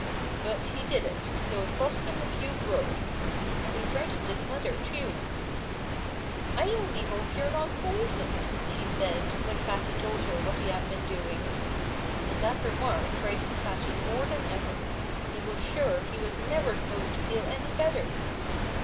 But he did it, though it cost him a few groans. And he frightened his mother, too. "I only hope you're not poisoned," she said, when Fatty told her what he had been doing. And that remark frightened Fatty more than ever. He was sure he was never going to feel any better.